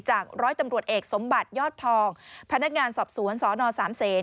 จากร้อยตำรวจเอกสมบัติยอดทองพนักงานสอบสวนสนสามเศษ